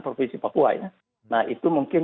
provinsi papua ya nah itu mungkin